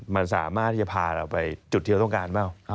มันสามารถที่จะพาเราไปจุดที่เราต้องการเปล่า